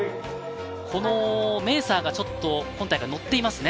このメーサーがちょっと今大会のっていますね。